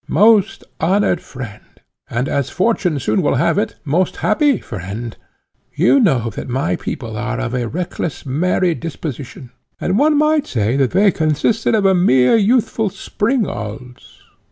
"Most honoured friend, and, as fortune soon will have it, most happy friend, you know that my people are of a reckless, merry disposition, and one might say that they consisted of mere youthful springalds.